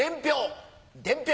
伝票！